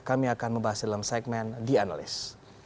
kami akan membahasnya dalam segmen the analyst